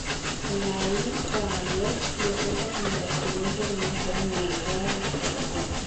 Alain Cavalier lo cuenta como la experiencia de una joven enamorada de su vocación.